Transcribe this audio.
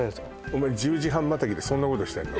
お前１０時半またぎでそんなことしてんの？